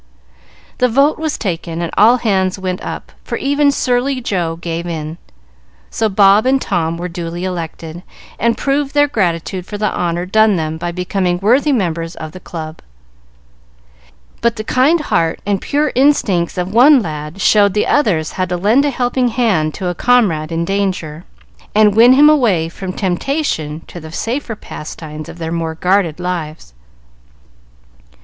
The vote was taken, and all hands went up, for even surly Joe gave in; so Bob and Tom were duly elected, and proved their gratitude for the honor done them by becoming worthy members of the club. It was only boys' play now, but the kind heart and pure instincts of one lad showed the others how to lend a helping hand to a comrade in danger, and win him away from temptation to the safer pastimes of their more guarded lives.